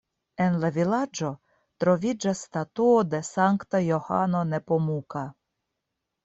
En la vilaĝo troviĝas statuo de Sankta Johano Nepomuka.